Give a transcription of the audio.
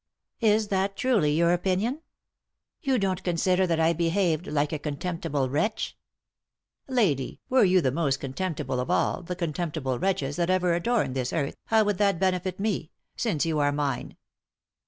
" Is that truly your opinion ? You don't consider that I behaved like a contemptible wretch ?" "Lady, were you the most contemptible of all the contemptible wretches that ever adorned this earth, how would that benefit me— since you are mine?"